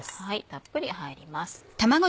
たっぷり入ります。